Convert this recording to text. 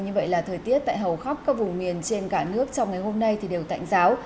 như vậy là thời tiết tại hầu khắp các vùng miền trên cả nước trong ngày hôm nay thì đều tạnh giáo